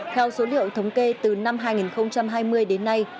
theo số liệu thống kê từ năm hai nghìn hai mươi đến nay